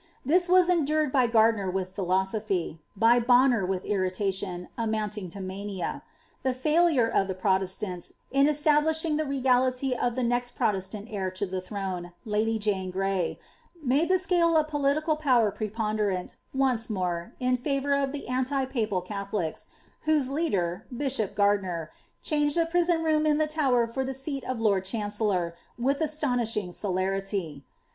This was endured by Gardiner with philosophy; by Bonner with irritation, amounting to mania. The failure of the Protestants, in estnhliihing the regality of the neit Protestant heir lo the throne, laily Jane Oniy, made the scale of political power preponderate, once more, in favour of the anli papat Catholics, whose leader, bishop Gardiner, changcil a prison room in the Tower for the seal of lord chancellor, wjili a'tonishing celerity.'